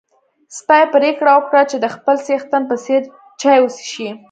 سپی پرېکړه وکړه چې د خپل څښتن په څېر چای وڅښي.